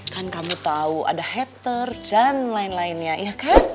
kan kamu tahu ada hater jan lain lainnya ya kan